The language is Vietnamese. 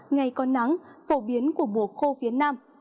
ngày có nắng phổ biến của mùa khô phía nam